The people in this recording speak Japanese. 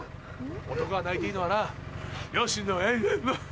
男が泣いていいのはな両親の。